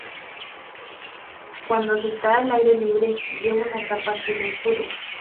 Cuando se está al aire libre, lleva una capa azul oscuro.